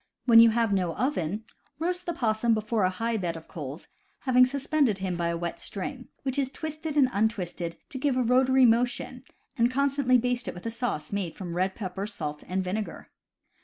When you have no oven, roast the possum before a high bed of coals, having suspended him by a wet string, which is twisted and untwisted to give a rotary mo tion, and constantly baste it with a sauce made from red pepper, salt, and vinegar.